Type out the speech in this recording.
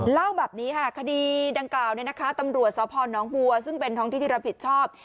เล่าแบบนี้ค่ะคดีดังกล่าวตำรวจสพนบัวซึ่งเป็นท้องที่ที่รับผิดชอบ